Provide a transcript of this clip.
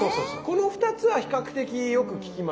この２つは比較的よく聞きますね。